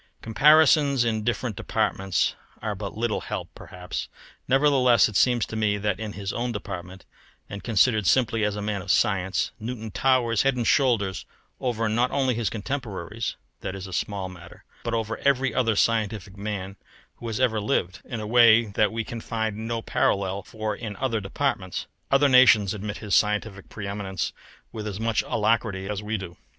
Comparisons in different departments are but little help perhaps, nevertheless it seems to me that in his own department, and considered simply as a man of science, Newton towers head and shoulders over, not only his contemporaries that is a small matter but over every other scientific man who has ever lived, in a way that we can find no parallel for in other departments. Other nations admit his scientific pre eminence with as much alacrity as we do.